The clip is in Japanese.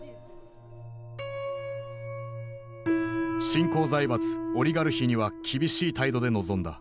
新興財閥オリガルヒには厳しい態度で臨んだ。